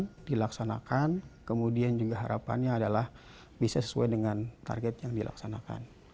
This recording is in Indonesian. yang dilaksanakan kemudian juga harapannya adalah bisa sesuai dengan target yang dilaksanakan